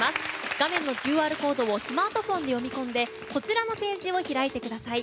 画面のＱＲコードをスマートフォンで読み込んでこちらのページを開いてください。